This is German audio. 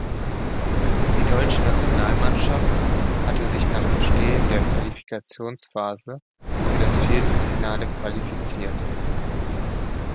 Die deutsche Nationalmannschaft hatte sich nach Bestehen der Qualifikationsphase für das Viertelfinale qualifiziert.